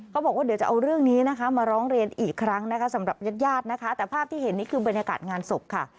บอกว่าเดี๋ยวจะเอาเรื่องนี้นะคะมาร้องเรียนอีกครั้งนะคะสำหรับญาติญาตินะคะแต่ภาพที่เห็นนี่คือบรรยากาศงานศพค่ะ